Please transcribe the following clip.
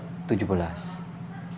sekitar abad tujuh belas